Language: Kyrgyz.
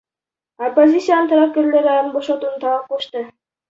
Оппозициячынын тарапкерлери аны бошотууну талап кылышты.